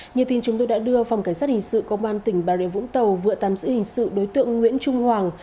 như tin chúng tôi đã đưa phòng cảnh sát hình sự công an tỉnh bà rịa vũng tàu vừa tạm giữ hình sự đối tượng nguyễn trung hoàng